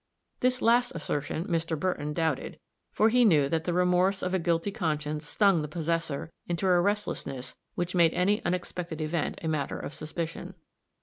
This last assertion Mr. Burton doubted, for he knew that the remorse of a guilty conscience stung the possessor into a restlessness which made any unexpected event a matter of suspicion.